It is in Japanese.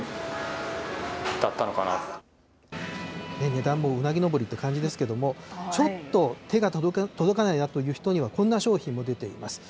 値段もうなぎのぼりという感じですけれども、ちょっと手が届かないなという人には、こんな商品も出ています。